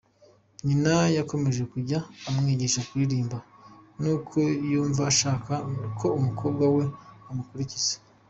Nyina yakomeje kujya amwigisha kuririmba, kuko yumvaga ashaka ko umukobwa we amukurikiza.